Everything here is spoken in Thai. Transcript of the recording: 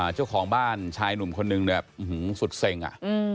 เจ้าของบ้านชายหนุ่มคนนึงเนี่ยสุดเซ็งอ่ะ